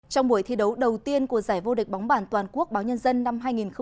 trong buổi thi đấu đầu tiên của giải vô địch bóng bàn toàn quốc báo nhân dân năm hai nghìn hai mươi